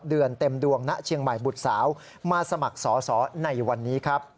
เดือนเต็มดวงณเชียงใหม่บุตรสาวมาสมัครสอสอในวันนี้ครับ